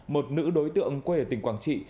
một nữ đối tượng quê ở tỉnh quảng trị